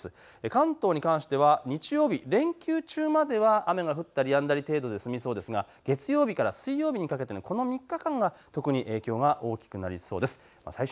関東に関しては日曜日連休中までは雨が降ったりやんだり程度で済みそうですが月曜日から水曜日にかけてのこの３日間が特に影響が大きくなりそうです。